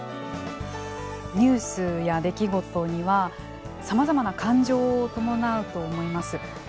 ニュースや出来事にはさまざまな感情を伴うと思います。